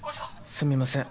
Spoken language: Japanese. すみません